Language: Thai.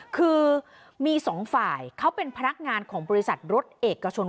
คือมีสองฝ่ายเขาเป็นพนักงานของบริษัทรถเอกชน